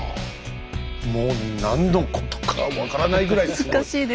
もう何のことか分からないぐらいすごい。